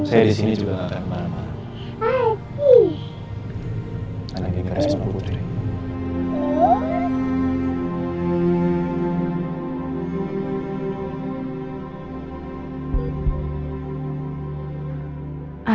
ada di garis bu putri